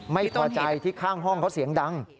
ไม่พอใจที่ข้างห้องเขาเสียงดัง